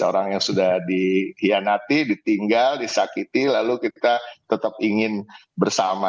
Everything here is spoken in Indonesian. orang yang sudah dikhianati ditinggal disakiti lalu kita tetap ingin bersama